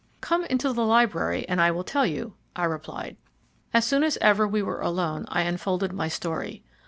"Come into the library and I will tell you," I replied. As soon as ever we were alone I unfolded my story.